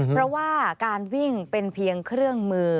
เพราะว่าการวิ่งเป็นเพียงเครื่องมือ